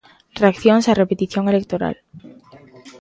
Reaccións á repetición electoral.